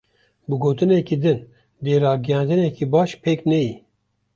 Bi gotineke din; dê ragihandineke baş pêk neyê.